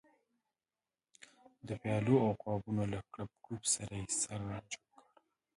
د پیالو او قابونو له کړپ کړوپ سره یې سر را جګ کړ.